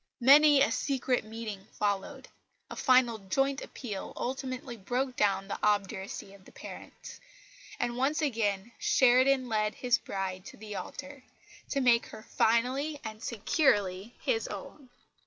Many a secret meeting followed; a final joint appeal ultimately broke down the obduracy of the parents; and once again Sheridan led his bride to the altar, to make her finally and securely his own.